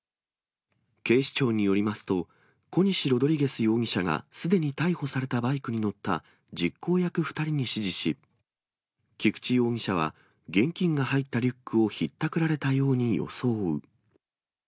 警視庁によりますと、コニシ・ロドリゲス容疑者がすでに逮捕されたバイクに乗った実行役２人に指示し、菊地容疑者は現金が入ったリュックをひったくられたように装う。